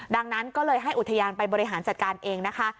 ดังนั้นก็เลยให้อุทยานไปบริหารจัดการเองนะคะ